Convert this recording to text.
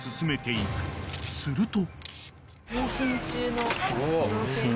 ［すると］